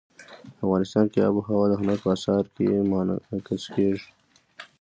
افغانستان کې آب وهوا د هنر په اثار کې منعکس کېږي.